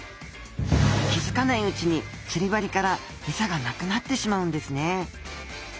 気付かないうちに釣り針からエサがなくなってしまうんですね。